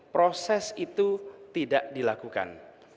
proses itu tidak dilakukan